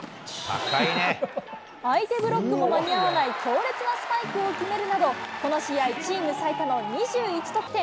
相手ブロックも間に合わない、強烈なスパイクを決めるなど、この試合、チーム最多の２１得点。